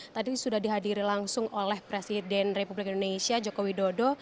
tadi sudah dihadiri langsung oleh presiden republik indonesia joko widodo